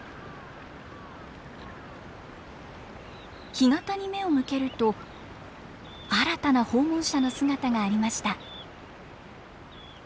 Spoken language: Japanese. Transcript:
干潟に目を向けると新たな訪問者の姿がありました。